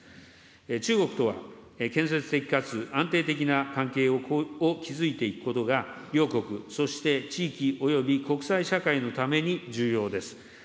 中国とは、建設的かつ安定的な関係を築いていくことが両国、そして地域および国際社会のために重要です。